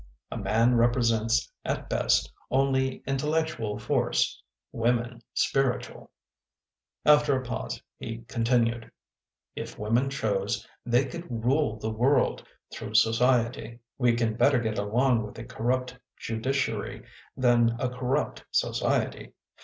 A man represents at best only intellectual force, women, spiritual." After a pause he continued :" If women chose, they could rule the world through Society. We can better get along with a corrupt judiciary than a corrupt Society.